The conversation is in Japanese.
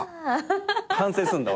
反省すんだ俺。